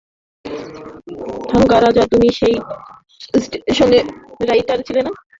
থাঙ্গারাজ, তুমি সেই স্টেশনে রাইটার ছিলে না?